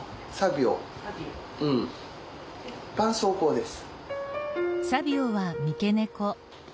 うんばんそうこうです。